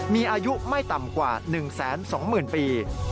มีอายุไม่ต่ำกว่า๑๒๐๐๐ปี